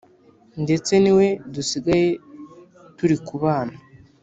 ndetse niwe dusigaye turi kubana”